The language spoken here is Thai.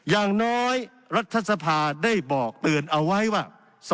อย่างน้อยรัฐสภาได้บอกเตือนเอาไว้ว่า